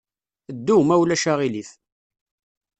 Ddu, ma ulac aɣilif!